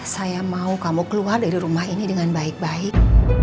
saya mau kamu keluar dari rumah ini dengan baik baik